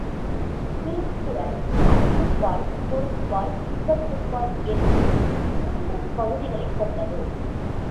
திருக்குறள் அறத்துப்பால் பொருட்பால் இன்பத்துப்பால் எனும் மூன்று பகுதிகளைக் கொண்டது